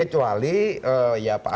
kecuali ya pak ahok